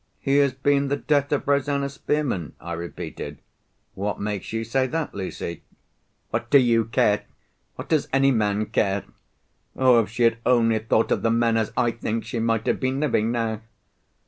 "He has been the death of Rosanna Spearman?" I repeated. "What makes you say that, Lucy?" "What do you care? What does any man care? Oh! if she had only thought of the men as I think, she might have been living now!"